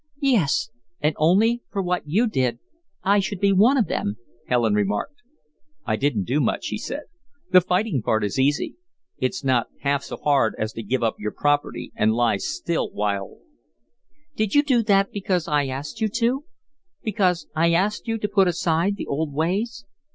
"Yes, and only for what you did, I should be one of them," Helen remarked. "I didn't do much," he said. "The fighting part is easy. It's not half so hard as to give up your property and lie still while " "Did you do that because I asked you to because I asked you to put aside the old ways?"